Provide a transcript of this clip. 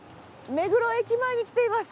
目黒駅前に来ています。